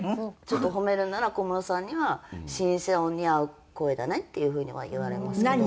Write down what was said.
ちょっと褒めるなら小室さんには「シンセ音に合う声だね」っていう風には言われますけど。